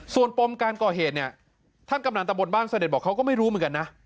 ส่วนปมการก่อเหตุเนี่ยท่านกำนันตะบนบ้านเสด็จบอกเขาก็ไม่รู้เหมือนกันนะ